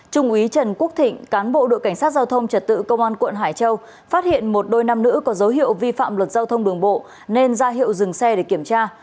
trung úy trần quốc thịnh cán bộ đội cảnh sát giao thông trật tự công an quận hải châu phát hiện một đôi nam nữ có dấu hiệu vi phạm luật giao thông đường bộ nên ra hiệu dừng xe để kiểm tra